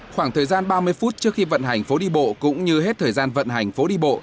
khoảng thời gian ba mươi phút trước khi vận hành phố đi bộ cũng như hết thời gian vận hành phố đi bộ